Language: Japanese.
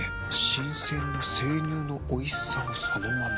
新鮮な生乳のおいしさをそのまま。